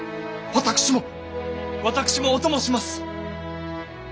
私もお供します！